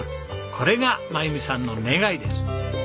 これが真由美さんの願いです。